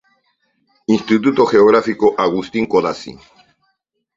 Instituto Geográfico Agustín Codazzi.